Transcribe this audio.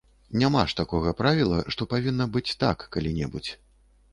Няма ж такога правіла, што павінна быць так калі-небудзь.